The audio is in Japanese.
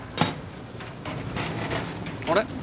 あれ？